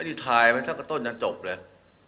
อันนี้ถ่ายมันต้นจนจบเลย